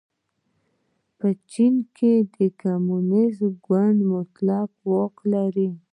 په چین کې کمونېست ګوند مطلق واک لري.